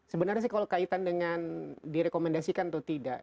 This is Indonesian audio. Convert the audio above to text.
sebenarnya sih kalau kaitan dengan direkomendasikan atau tidak